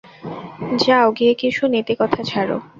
যাও গিয়ে কিছু নীতিকথা ঝাড়ো।